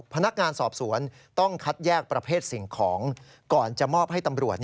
พนักงานสอบสวนต้องคัดแยกประเภทสิ่งของก่อนจะมอบให้ตำรวจ